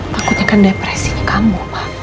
takutnya kan depresi kamu pak